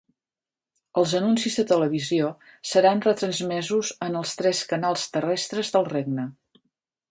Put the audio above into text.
Els anuncis de televisió seran retransmesos en els tres canals terrestres del Regne.